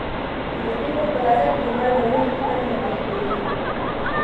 تولستوی په خپل اثر کې د مرګ او ژوند پوښتنې مطرح کوي.